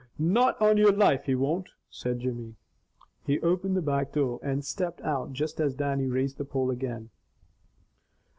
"Not on your life he won't!" said Jimmy. He opened the back door and stepped out just as Dannie raised the pole again.